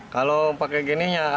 kalau pakai gini ya